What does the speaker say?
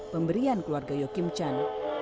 pemberian keluarga yoh kim chan